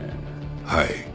はい。